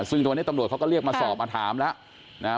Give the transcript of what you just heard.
ซึ่งตัวนี้ตำรวจเขาก็เรียกมาสอบมาถามแล้วนะฮะ